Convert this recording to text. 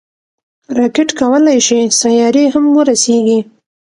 راکټ کولی شي سیارې هم ورسیږي